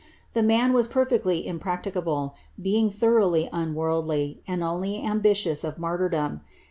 The man was perfectly impracticable, being thoroughly unworldly, and only ambitious of martyrdom.